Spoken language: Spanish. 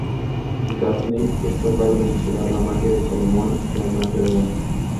Daphne es capaz de manipular la Magia de Salomón y la magia Rune.